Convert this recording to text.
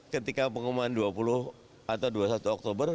ketika pengumuman dua puluh atau dua puluh satu oktober